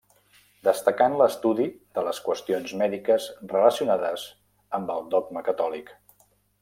Destacà en l'estudi de les qüestions mèdiques relacionades amb el dogma catòlic.